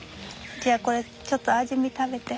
じゃあこれちょっと味見食べて。